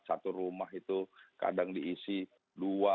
satu rumah itu kadang diisi dua